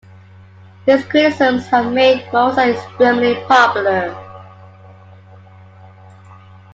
His criticisms have made Moussa extremely popular.